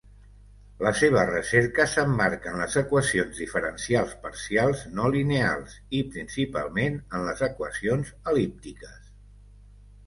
La seva recerca s'emmarca en les equacions diferencials parcials no lineals, i principalment en les equacions el·líptiques.